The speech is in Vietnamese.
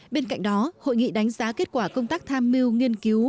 bên cạnh đó hội nghị đánh giá kết quả công tác tham mưu nghiên cứu